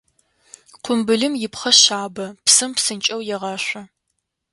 Къумбылым ипхъэ шъабэ, псым псынкӏэу егъэшъу.